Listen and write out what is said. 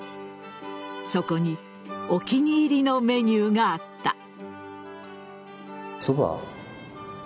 そこにお気に入りのメニューがあった。